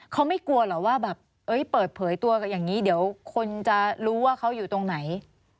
เขาไม่กลัวเหรอว่าแบบเปิดเผยตัวอย่างนี้เดี๋ยวคนจะรู้ว่าเขาอยู่ตรงไหน